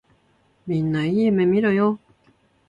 みんないい夢みろよ。